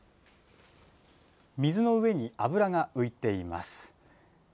水の上に油が浮いています。